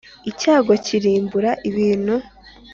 icyago kirimbura ibintu